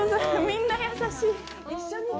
みんな、優しい。